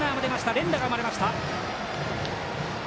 連打が生まれました。